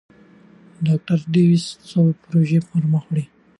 ډاکټر ډسیس څو پروژې پرمخ وړي.